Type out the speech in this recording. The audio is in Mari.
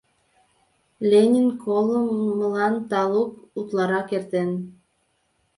Ленин колымылан талук утларак эртен.